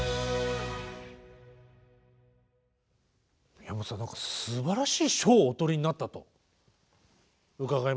宮本さん何かすばらしい賞をお取りになったと伺いました。